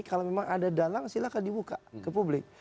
kalau memang ada dalang silahkan dibuka ke publik